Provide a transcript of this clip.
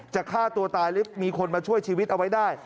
ฆ่าตัวตายหรือมีคนมาช่วยชีวิตเอาไว้ได้